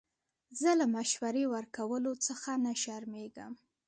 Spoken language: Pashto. زه له مشورې ورکولو څخه نه شرمېږم.